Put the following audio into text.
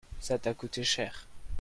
ça t'as coûté cher.